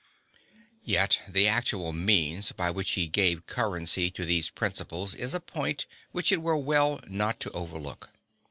Yet the actual means by which he gave currency to these principles is a point which it were well not to overlook.